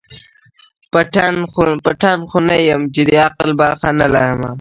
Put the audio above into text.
پتڼ خو نه یم چي د عقل برخه نه لرمه